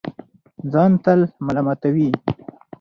ځان تل ملامتوي